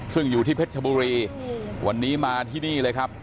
ซึ่งอยู่ที่เพชรชบุรีวันนี้มาที่นี่เลยครับ